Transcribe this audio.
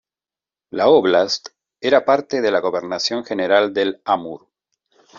La óblast era parte de la gobernación general del Amur.